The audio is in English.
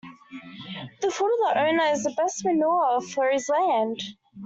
The foot of the owner is the best manure for his land.